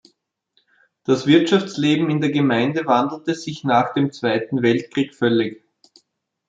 Das Wirtschaftsleben in der Gemeinde wandelte sich nach dem Zweiten Weltkrieg völlig.